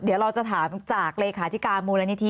เดี๋ยวเราจะถามจากเลขาธิการมูลนิธิ